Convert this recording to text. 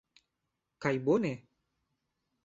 Kaj bone!